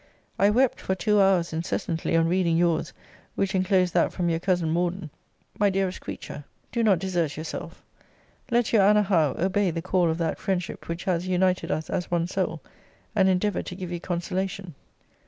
I wept for two hours incessantly on reading your's, which enclosed that from your cousin Morden.* My dearest creature, do not desert yourself. Let your Anna Howe obey the call of that friendship which has united us as one soul, and endeavour to give you consolation. * See Letter XIX.